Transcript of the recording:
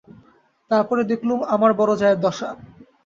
তার পরে দেখলুম আমার বড়ো জায়ের দশা।